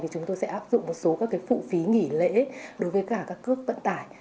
chúng tôi sẽ áp dụng một số các phụ phí nghỉ lễ đối với cả các cước vận tải